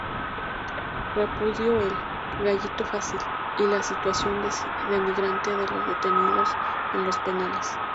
Repudió el "gatillo fácil" y la situación denigrante de los detenidos en los penales.